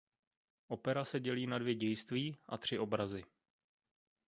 Opera se dělí na dvě dějství a tři obrazy.